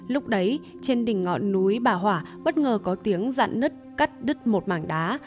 lúc đấy trên đỉnh ngọn núi bà hỏa bất ngờ có tiếng dặn nứt cắt đứt một mảng đá